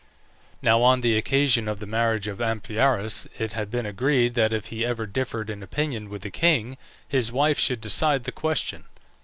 Now on the occasion of the marriage of Amphiaraus it had been agreed, that if he ever differed in opinion with the king, his wife should decide the question.